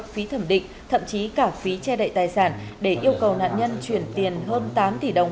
phí thẩm định thậm chí cả phí che đậy tài sản để yêu cầu nạn nhân chuyển tiền hơn tám tỷ đồng